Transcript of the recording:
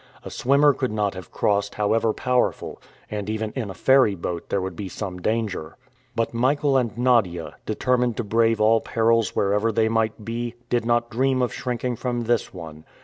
A swimmer could not have crossed, however powerful; and even in a ferryboat there would be some danger. But Michael and Nadia, determined to brave all perils whatever they might be, did not dream of shrinking from this one.